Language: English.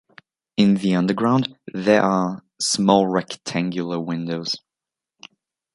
In the underground there are small rectangular windows.